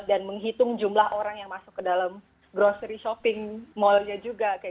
dan menghitung jumlah orang yang masuk ke dalam grocery shopping mallnya juga